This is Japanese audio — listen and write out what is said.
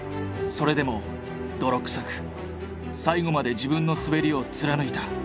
それでも泥臭く最後まで自分の滑りを貫いた。